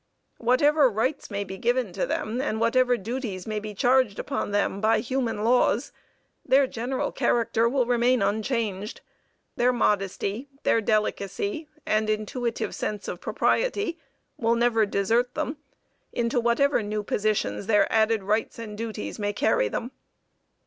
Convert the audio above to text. Whatever rights may be given to them, and whatever duties may be charged upon them by human laws, their general character will remain unchanged. Their modesty, their delicacy, and intuitive sense of propriety, will never desert them, into whatever new positions their added rights or duties may carry them.